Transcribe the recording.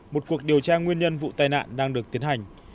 một cuộc điều tra nguyên nhân vụ tai nạn đang được tiến hành